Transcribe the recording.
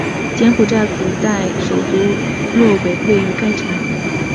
柬埔寨古代首都洛韦位于该城。